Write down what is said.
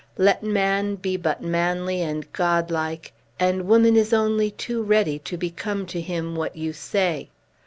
Let man be but manly and godlike, and woman is only too ready to become to him what you say!"